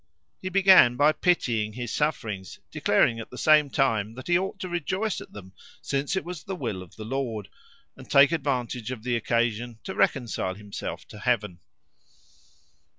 He began by pitying his sufferings, declaring at the same time that he ought to rejoice at them since it was the will of the Lord, and take advantage of the occasion to reconcile himself to Heaven.